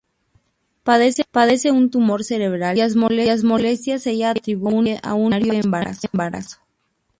Padece un tumor cerebral cuyas molestias ella atribuye a un imaginario embarazo.